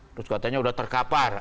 terus katanya udah terkapar